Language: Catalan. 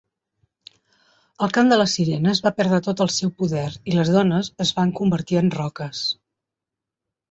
El cant de les sirenes va perdre tot el seu poder i les dones es van convertir en roques.